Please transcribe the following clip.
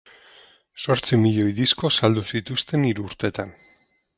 Zortzi miloi disko saldu zituzten hiru urtetan.